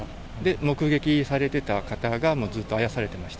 目撃されていた方がずっとあやされていました。